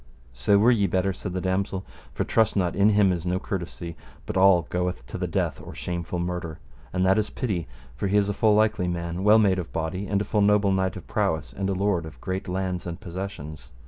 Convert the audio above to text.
So were ye better, said the damosel; for trust not, in him is no courtesy, but all goeth to the death or shameful murder, and that is pity, for he is a full likely man, well made of body, and a full noble knight of prowess, and a lord of great lands and possessions.